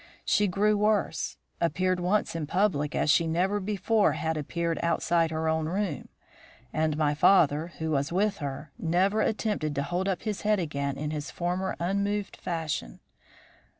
She grew worse appeared once in public as she never before had appeared outside her own room, and my father, who was with her, never attempted to hold up his head again in his former unmoved fashion.